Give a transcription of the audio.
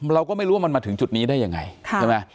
เราก็ไม่รู้ว่ามันมาถึงจุดนี้ได้ยังไงใช่ไหม